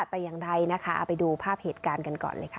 แต่อย่างใดนะคะเอาไปดูภาพเหตุการณ์กันก่อนเลยค่ะ